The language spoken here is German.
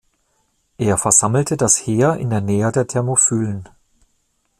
Er versammelte das Heer in der Nähe der Thermopylen.